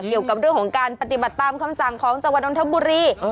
เกี่ยวกับเรื่องของการปฏิบัติตามคำสั่งของจังหวัดนทบุรี